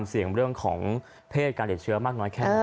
เป็นเรื่องของเพศการเหล็กเชื้อมากน้อยแค่ไหน